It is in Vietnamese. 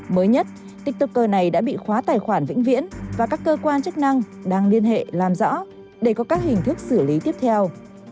mới nhất tiktoker này đã bị khóa tài khoản vĩnh viễn và các cơ quan chức năng đang liên hệ làm rõ để có các hình thức xử lý tiếp theo